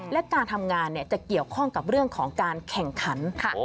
และการทำงานจะเกี่ยวข้องกับเรื่องของการแข่งขัน